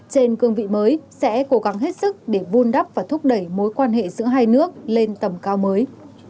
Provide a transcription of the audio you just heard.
trên cương vị mới sẽ cố gắng hết sức để vun đắp và thúc đẩy mối quan hệ giữa hai nước lên tầm cao mới